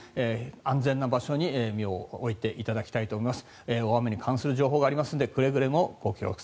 安全な場所に身を置いていただきたいと思います。